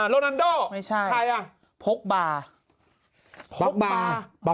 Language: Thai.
โรนั้นโด